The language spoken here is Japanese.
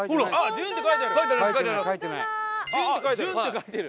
「じゅん」って書いてる。